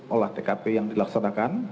olah tkp yang dilaksanakan